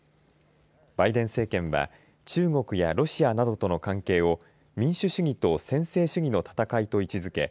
バイデン政権は中国やロシアなどとの関係を民主主義と専制主義の闘いと位置づけ